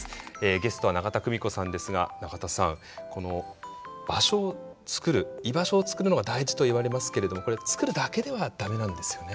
ゲストは永田久美子さんですが永田さん場所を作る居場所を作るのが大事といわれますけれどもこれ作るだけでは駄目なんですよね。